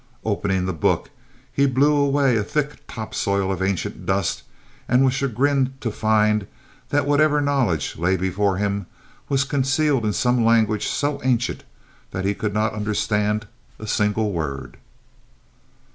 Opening the book, he blew away a thick top soil of ancient dust and was chagrined to find that whatever knowledge lay before him was concealed in some language so ancient that he could not understand a single word.